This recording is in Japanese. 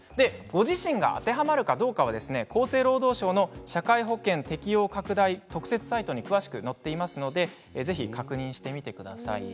ご自身が当てはまるかどうかは厚生労働省の社会保険適用拡大特設サイトに詳しく載っていますのでぜひ確認してみてください。